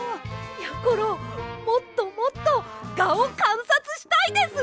やころもっともっとガをかんさつしたいです！